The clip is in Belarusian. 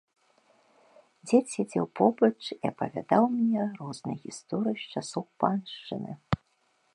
Дзед сядзеў побач і апавядаў мне розныя гісторыі з часоў паншчыны.